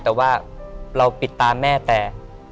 แต่ว่าเราปิดตาแม่แต่